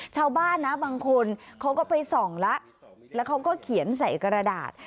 ชาวบ้านนะบางคนเขาก็ไปส่องแล้วแล้วเขาก็เขียนใส่กระดาษ